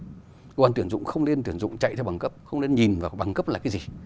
các cơ quan tuyển dụng không nên tuyển dụng chạy theo bằng cấp không nên nhìn vào bằng cấp là cái gì